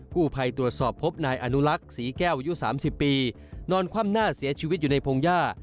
ผู้ภัยตรวจสอบพบนายอนุลักษ์ศรีแก้วอายุ๓๐ปีนอนคว่ำหน้าเสียชีวิตอยู่ในพงหญ้า